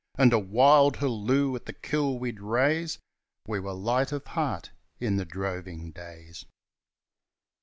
And a wild halloo at the kill we'd raise We were light of heart in the droving days.